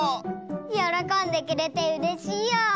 よろこんでくれてうれしいよ！